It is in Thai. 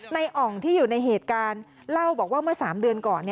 อ่องที่อยู่ในเหตุการณ์เล่าบอกว่าเมื่อ๓เดือนก่อน